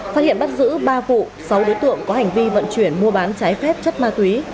phát hiện bắt giữ ba vụ sáu đối tượng có hành vi vận chuyển mua bán trái phép chất ma túy